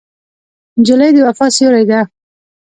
نجلۍ د وفا سیوری ده.